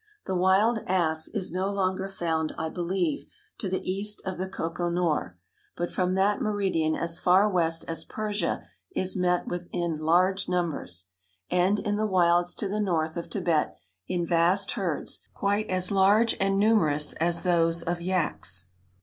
The wild ass is no longer found, I believe, to the east of the Koko Nor, but from that meridian as far west as Persia is met with in large numbers, and in the wilds to the north of Tibet in vast herds, quite as large and numerous as those of yaks.